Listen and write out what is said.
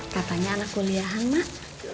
katanya anak kuliahan mak